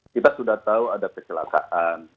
kita sudah tahu ada kecelakaan